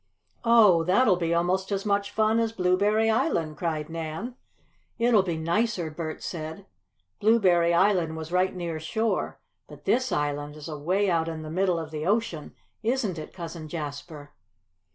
"Oh, that'll be almost as much fun as Blueberry Island!" cried Nan. "It'll be nicer!" Bert said. "Blueberry Island was right near shore, but this island is away out in the middle of the ocean, isn't it, Cousin Jasper?"